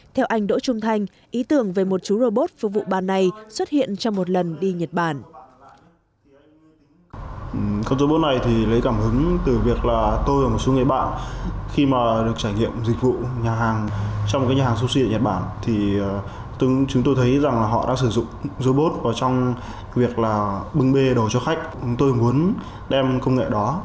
theo anh đỗ trung thành ý tưởng về một chú robot phục vụ bàn này xuất hiện trong một lần đi nhật bản